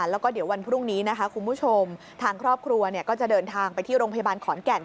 แล้วก็เดี๋ยววันพรุ่งนี้นะคะคุณผู้ชมทางครอบครัวก็จะเดินทางไปที่โรงพยาบาลขอนแก่น